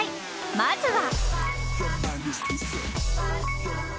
まずは。